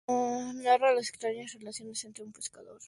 Narra las extrañas relaciones entre un pescador y una chica extranjera.